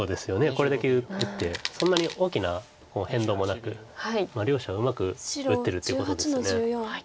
これだけ打ってそんなに大きな変動もなく。両者うまく打ってるということです。